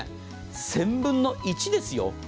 １０００分の１ですよ。